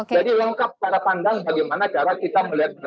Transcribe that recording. jadi lengkap cara pandang bagaimana cara kita melihat bantuan